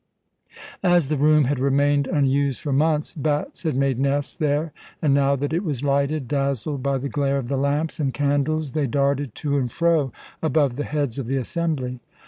As the room had remained unused for months, bats had made nests there, and now that it was lighted, dazzled by the glare of the lamps and candles, they darted to and fro above the heads of the assembly.